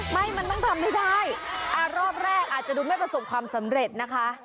ไม่มันต้องทำให้ได้อ่ารอบแรกอาจจะดูไม่ประสบความสำเร็จนะคะ